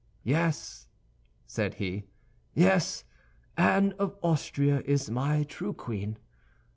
"Yes," said he, "yes, Anne of Austria is my true queen.